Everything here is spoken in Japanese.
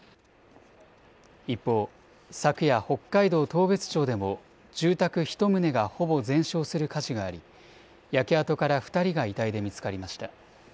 一方、昨夜、北海道当別町でも住宅１棟がほぼ全焼する火事があり焼け跡から２人が遺体で見つかりました。